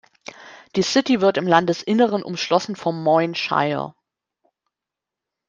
Die City wird im Landesinneren umschlossen vom Moyne Shire.